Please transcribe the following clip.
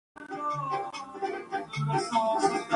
Se denomina a esta unión como "matrimonio emocional".